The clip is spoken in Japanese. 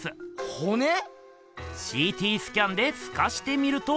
ほね⁉ＣＴスキャンですかしてみるとほら。